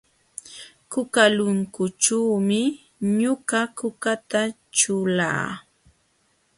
Kukalunkućhuumi ñuqa kukata ćhulaa.